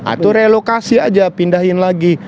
atau relokasi aja pindahin lagi